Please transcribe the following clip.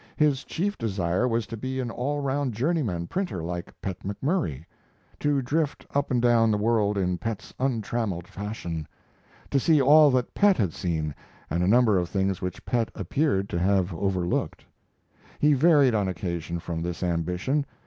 His chief desire was to be an all round journeyman printer like Pet McMurry; to drift up and down the world in Pet's untrammeled fashion; to see all that Pet had seen and a number of things which Pet appeared to have overlooked. He varied on occasion from this ambition.